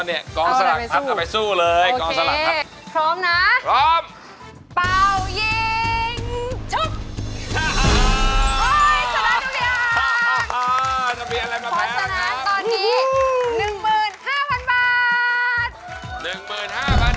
จะมีอะไรมาแพ้ครับโค้ดสนับตอนนี้๑๕๐๐๐บาท